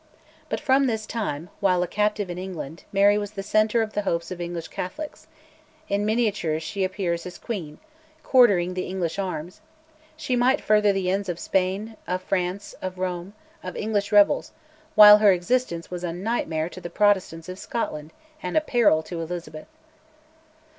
But from this time, while a captive in England, Mary was the centre of the hopes of English Catholics: in miniatures she appears as queen, quartering the English arms; she might further the ends of Spain, of France, of Rome, of English rebels, while her existence was a nightmare to the Protestants of Scotland and a peril to Elizabeth.